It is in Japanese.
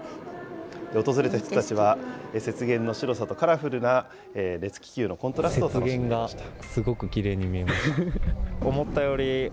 訪れた人たちは、雪原の白さとカラフルな熱気球のコントラストを楽しんでいました。